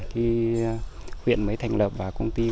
khi huyện mới thành lập và công ty